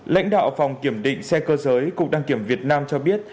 lãnh đạo phòng kiểm định xe cơ giới cục đăng kiểm việt nam cho biết